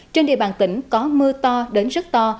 trên địa bàn tỉnh có mưa to đến rất to